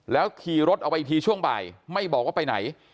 ขี่รถออกไปอีกทีช่วงบ่ายไม่บอกว่าไปไหน